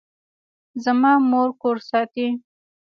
زما مور کور ساتي